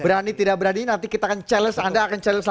berani tidak berani nanti kita akan challenge anda akan challenge